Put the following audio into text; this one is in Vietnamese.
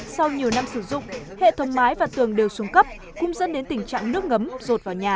sau nhiều năm sử dụng hệ thống mái và tường đều xuống cấp cũng dẫn đến tình trạng nước ngấm rột vào nhà